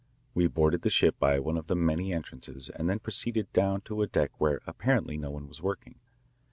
We boarded the ship by one of the many entrances and then proceeded down to a deck where apparently no one was working.